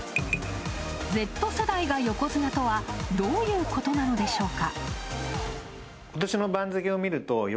Ｚ世代が横綱とはどういうことなのでしょうか。